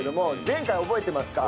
前回覚えてますか？